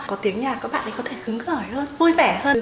có tiếng nhạc các bạn ấy có thể hứng khởi hơn vui vẻ hơn